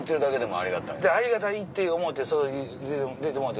ありがたいって思うてそれ出てもうて。